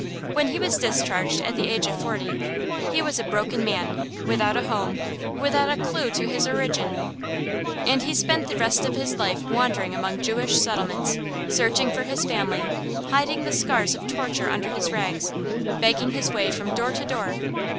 When he was discharged, at the age of forty, he was a broken man, without a home, without a clue to his origin, and he spent the rest of his life wandering among Jewish settlements, searching for his family; hiding the scars of torture under his rags, begging his way from door to door.